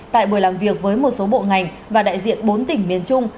tại buổi làm việc với một số bộ ngành và đại diện bốn tỉnh miền trung